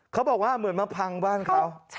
เขาบอกว่าเหมือนมาพังบ้านเขา